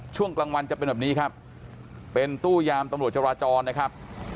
ช่วงกลางวันจะเป็นแบบนี้ครับเป็นตู้ยามตำรวจจราจรนะครับ